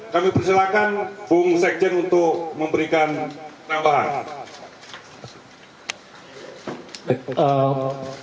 kami persilahkan bung sekjen untuk memberikan tambahan